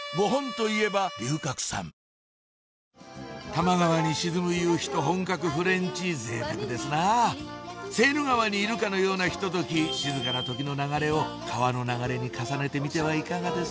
多摩川に沈む夕日と本格フレンチぜいたくですなぁセーヌ川にいるかのようなひととき静かな時の流れを川の流れに重ねてみてはいかがです？